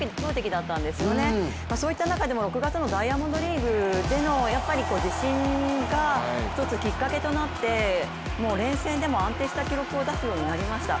そういった中でも６月のダイヤモンドリーグでの自信が一つ、きっかけとなってもう連戦でも安定した記録を出すようになりました。